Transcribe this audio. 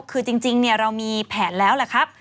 คือจริงเรามีแผนแล้วแหละครับ